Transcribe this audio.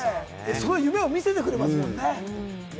その夢を見せてくれますもんね。